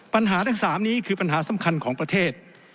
ปัญหาทั้ง๓นี้คือปัญหาสำคัญของประเทศ